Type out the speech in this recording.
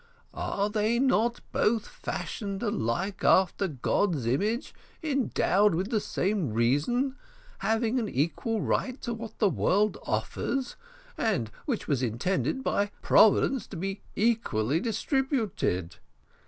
Are they not both fashioned alike after God's image, endowed with the same reason, having an equal right to what the world offers, and which was intended by Providence to be equally distributed?